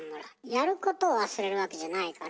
やることを忘れるわけじゃないから。